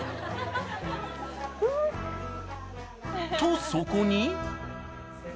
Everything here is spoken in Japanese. とそこに。